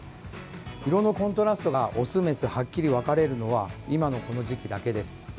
色のコントラストがオス、メスはっきり分かれるのは今のこの時期だけです。